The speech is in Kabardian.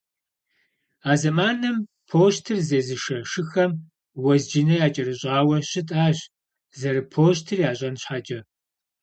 А зэманым пощтыр зезышэ шыхэм уэзджынэ якӏэрыщӏауэ щытащ, зэрыпощтыр ящӏэн щхьэкӏэ.